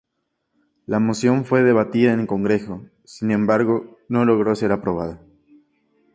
La moción fue debatida en el Congreso, sin embargo, no logró ser aprobada.